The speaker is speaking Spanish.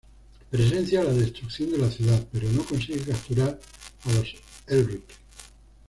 Presencia la destrucción de la ciudad, pero no consigue capturar a los Elric.